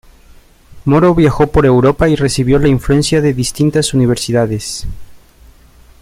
Moro viajó por Europa y recibió la influencia de distintas universidades.